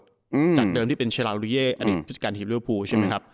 จากเดิมที่เป็นเชลาลูเย่อดีตผู้จัดการทีมเวอร์ภูใช่ไหมครับ